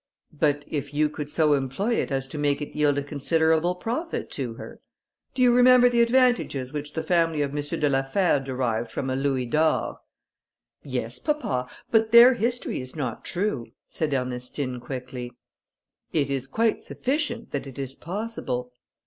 "But if you could so employ it as to make it yield a considerable profit to her? Do you remember the advantages which the family of M. de la Fère derived from a louis d'or?" "Yes, papa, but their history is not true," said Ernestine, quickly. "It is quite sufficient that it is possible."